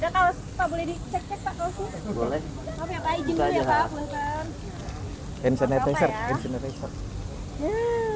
ada notebook bukan notebook beneran buku ada topi